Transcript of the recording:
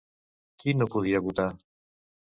Qui no podia votar?